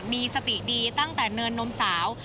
มีสติดีตั้งแต่เนินนมสาว